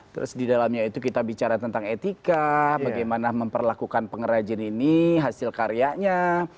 terus di dalamnya itu kita bicara tentang etika bagaimana memperlakukan pengrajin ini hasil karyanya